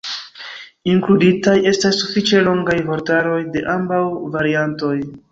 Inkluditaj estas sufiĉe longaj vortaroj de ambaŭ variantoj.